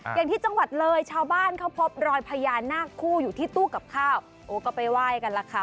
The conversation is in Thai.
อย่างที่จังหวัดเลยชาวบ้านเขาพบรอยพญานาคคู่อยู่ที่ตู้กับข้าวโอ้ก็ไปไหว้กันล่ะค่ะ